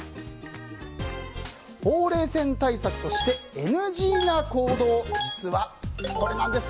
ほうれい線対策としてＮＧな行動実はこれなんです